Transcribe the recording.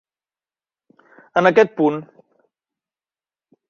En aquest punt.